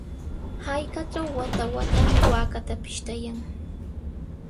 Hallqatraw wata-watami waakata pishtayan.